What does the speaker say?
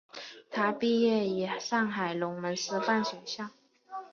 他毕业于上海龙门师范学校。